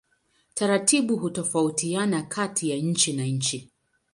Taratibu hutofautiana kati ya nchi na nchi.